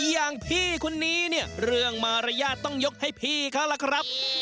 อย่างพี่คนนี้เนี่ยเรื่องมารยาทต้องยกให้พี่เขาล่ะครับ